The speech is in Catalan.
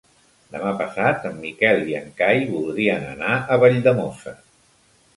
Demà passat en Miquel i en Cai voldrien anar a Valldemossa.